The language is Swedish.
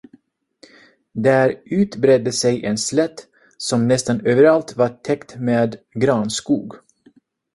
Där utbredde sig en slätt, som nästan överallt var täckt med granskog.